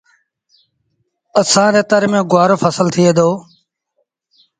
اسآݩ ري تر ميݩ گُوآر رو ڦسل ٿئي دو۔